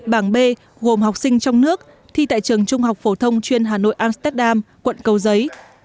bảng b gồm học sinh trong nước thi tại trường trung học phổ thông chuyên hà nội amsterdam quận cầu giấy